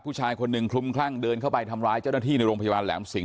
ผู้ชายคนหนึ่งคลุมคลั่งเดินเข้าไปทำร้ายเจ้าหน้าที่ในโรงพยาบาลแหลมสิงห